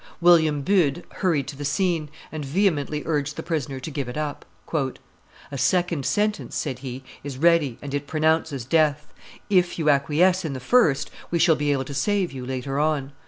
William Bude hurried to the scene, and vehemently urged the prisoner to give it up. "A second sentence," said he, "is ready, and it pronounces death. If you acquiesce in the first, we shall be able to save you later on.